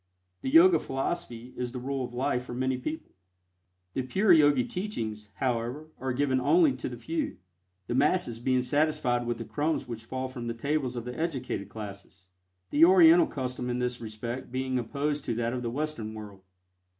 The Yoga philosophy is the rule of life for many people. The pure Yogi teachings, however, are given only to the few, the masses being satisfied with the crumbs which fall from the tables of the educated classes, the Oriental custom in this respect being opposed to that of the Western world.